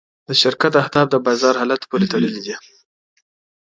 د شرکت اهداف د بازار حالت پورې تړلي دي.